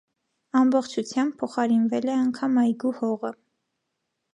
Ամբողջությամբ փոխարինվել է անգամ այգու հողը։